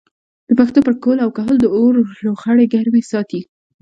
د پښتنو پر کور او کهول د اور لوخړې ګرمې ساتي.